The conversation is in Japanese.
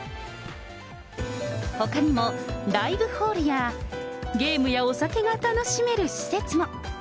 ほかにも、ライブホールや、ゲームやお酒が楽しめる施設も。